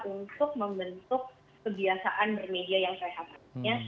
untuk membentuk kebiasaan bermedia yang sehat